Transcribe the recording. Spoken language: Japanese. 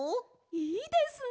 いいですね！